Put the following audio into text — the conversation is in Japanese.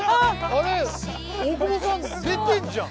あれ大久保さん出てんじゃん。